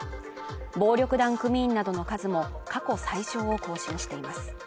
暴力団組員などの数も過去最少を更新しています。